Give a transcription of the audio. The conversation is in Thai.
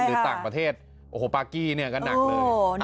หรือต่างประเทศโอ้โหปากกี้เนี่ยก็หนักเลย